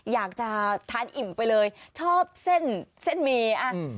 อยากจะทานอิ่มไปเลยชอบเส้นเมีย์